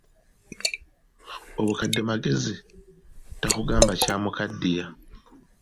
Obukadde magezi, takugamba kyamukaddiya.